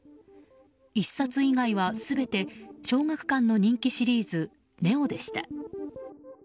１冊以外は全て小学館の人気シリーズ「ＮＥＯ」でした。